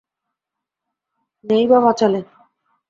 নেই বা বাঁচালে।